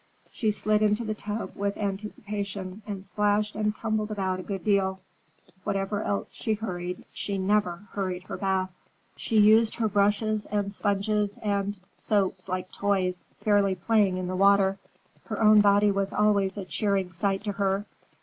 She slid into the tub with anticipation and splashed and tumbled about a good deal. Whatever else she hurried, she never hurried her bath. She used her brushes and sponges and soaps like toys, fairly playing in the water. Her own body was always a cheering sight to her.